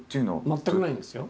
全くないんですよ。